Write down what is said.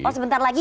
oh sebentar lagi